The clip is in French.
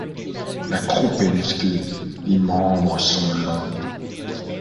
La croupe est musclée, les membres sont longs.